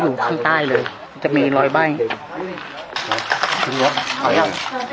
กระถาเนี่ยเรียกว่าแบบปลูกเค็ม